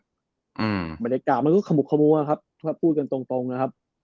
อ่าบรรยากาศมันก็ขมุกขมัวครับถ้าพูดกันตรงตรงนะครับ